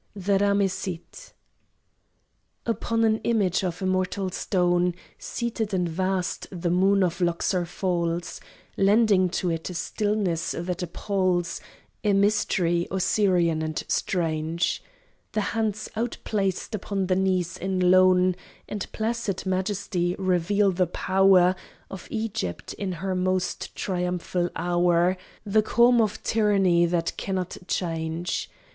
THE RAMESSID Upon an image of immortal stone, Seated and vast, the moon of Luxor falls, Lending to it a stillness that appals, A mystery Osirian and strange. The hands outplaced upon the knees in lone And placid majesty reveal the power Of Egypt in her most triumphal hour, The calm of tyranny that cannot change.